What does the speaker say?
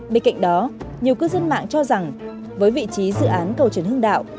bên cạnh đó nhiều cư dân mạng cho rằng với vị trí dự án cầu trần hưng đạo